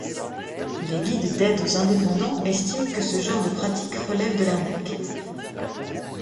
Les guides d'aide aux indépendants estiment que ce genre de pratiques relève de l'arnaque.